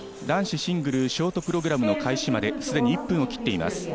男子シングルショートプログラムの開始まですでに１分を切っています。